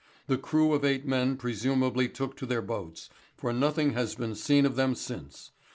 The crew of eight men presumably took to their boats, for nothing has been seen of them since.